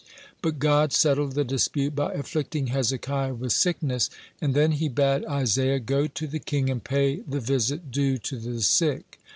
But God settled the dispute by afflicting Hezekiah with sickness, and then He bade Isaiah go to the king and pay the visit due to the sick.